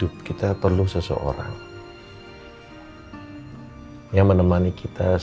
untuk semua orang yang telah menonton